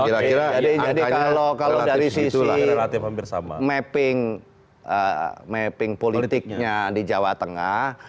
jadi kalau dari sisi mapping politiknya di jawa tengah